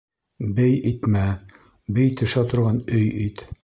Бей итмә, бей төшә торған өй ит.